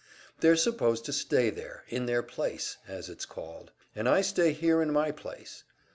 "They're supposed to stay there in their `place,' as it's called, and I stay here in my place.